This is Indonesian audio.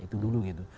itu dulu gitu